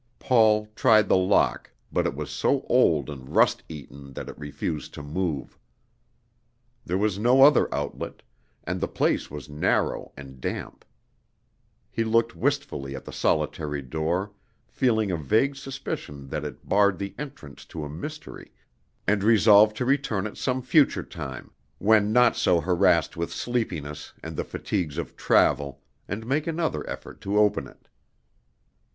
Paul tried the lock, but it was so old and rust eaten that it refused to move. There was no other outlet, and the place was narrow and damp. He looked wistfully at the solitary door, feeling a vague suspicion that it barred the entrance to a mystery, and resolved to return at some future time, when not so harassed with sleepiness and the fatigues of travel, and make another effort to open it.